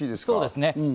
そうですね。